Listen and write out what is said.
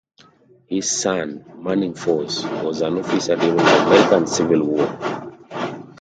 His son, Manning Force, was an officer during the American Civil War.